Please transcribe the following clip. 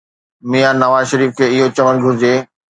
ميان نواز شريف کي اهو چوڻ گهرجي.